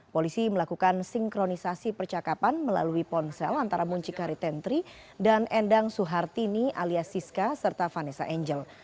polisi melakukan sinkronisasi percakapan melalui ponsel antara muncikari tentri dan endang suhartini alias siska serta vanessa angel